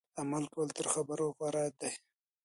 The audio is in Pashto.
عمل کول تر خبرو غوره دي.